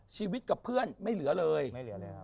ชีวิตกับเพื่อนไม่เหลือเลย